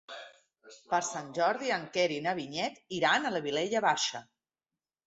Per Sant Jordi en Quer i na Vinyet iran a la Vilella Baixa.